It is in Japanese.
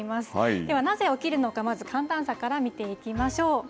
ではなぜ起きるのか、寒暖差から見ていきましょう。